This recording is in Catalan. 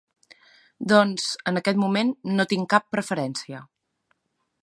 Doncs, en aquest moment, no tinc cap preferència.